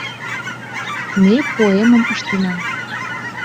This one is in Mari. Ме поэмым ыштена.